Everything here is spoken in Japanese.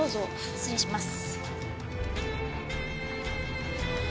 失礼します。